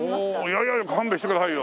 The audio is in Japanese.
いやいや勘弁してくださいよ。